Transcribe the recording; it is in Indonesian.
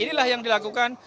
ini adalah hal yang dilakukan